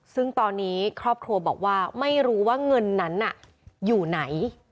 ซึ่งตอนนี้ครอบครัวบอกว่าไม่รู้ว่าเงินนั้นอยู่ไหน